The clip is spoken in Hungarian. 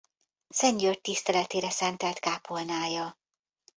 Szent György tiszteletére szentelt kápolnája.